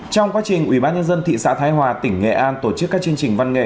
trong quá trình ủy ban nhân dân thị xã thái hòa tỉnh nghệ an tổ chức các chương trình văn nghệ